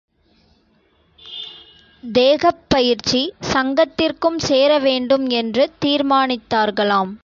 தேகப்பயிற்சி சங்கத்திற்கும் சேர வேண்டும் என்று தீர்மானித்தார்களாம்.